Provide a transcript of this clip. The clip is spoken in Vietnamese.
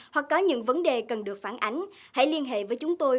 hoặc có những vấn đề cần được phản ánh hãy liên hệ với chúng tôi